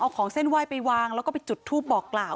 เอาของเส้นไหว้ไปวางแล้วก็ไปจุดทูปบอกกล่าว